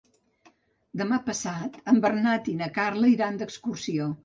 Demà passat en Bernat i na Carla iran d'excursió.